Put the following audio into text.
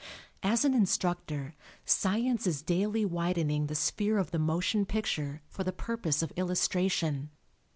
As an instructor, science is daily widening the sphere of the motion picture for the purpose of illustration.